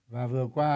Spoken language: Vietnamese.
và vừa qua